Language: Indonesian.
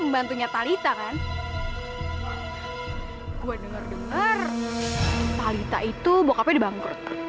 mbak itu gak boleh seperti itu lho mbak